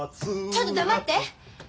ちょっと黙って！